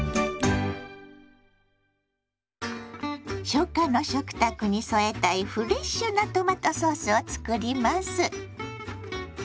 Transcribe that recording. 初夏の食卓に添えたいフレッシュなトマトソースを作ります。